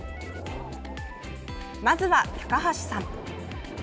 まずは高橋さん。